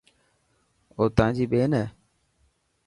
اوتانجي ٻين هي.